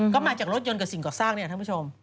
ก็มาจากรถยนต์กับสิ่งก่อสร้างเนี่ยท่านผู้ชม